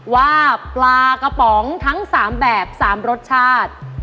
ว่าปลากระป๋องทั้ง๓แบบ๓รสชาติ